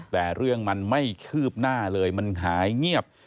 แต่เรื่องมันไม่คืบหน้าเลยมันหายเงียบ